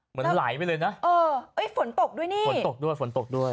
ไหลไปเลยนะเออเอ้ยฝนตกด้วยนี่ฝนตกด้วยฝนตกด้วย